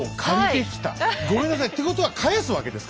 ごめんなさいってことは返すわけですか？